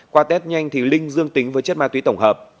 qua test nhanh thì linh dương tính với chất ma túy tổng hợp